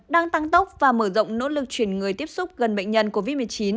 đang tăng tốc và mở rộng nỗ lực chuyển người tiếp xúc gần bệnh nhân covid một mươi chín